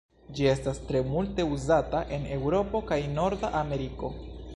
Ĝi estas tre multe uzata en Eŭropo kaj Norda Ameriko.